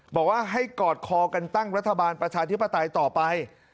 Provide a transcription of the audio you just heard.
บอกว่าให้กอดคอกันตั้งรัฐบาลประชาธิปไตยต่อไป